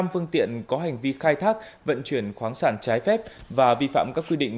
năm phương tiện có hành vi khai thác vận chuyển khoáng sản trái phép và vi phạm các quy định